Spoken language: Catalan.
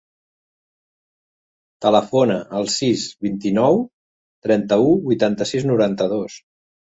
Telefona al sis, vint-i-nou, trenta-u, vuitanta-sis, noranta-dos.